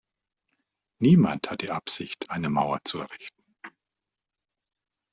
Niemand hat die Absicht, eine Mauer zu errichten.